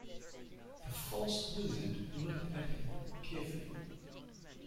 The false wizard looked at him carefully.